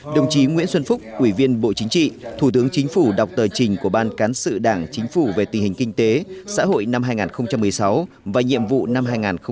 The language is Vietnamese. đồng chí nguyễn xuân phúc ủy viên bộ chính trị thủ tướng chính phủ đọc tờ trình của ban cán sự đảng chính phủ về tình hình kinh tế xã hội năm hai nghìn một mươi sáu và nhiệm vụ năm hai nghìn một mươi chín